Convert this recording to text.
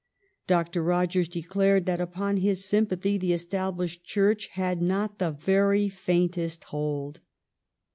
Dr. Rogers declared that upon his sympathy the Established Church had not the very faintest hold.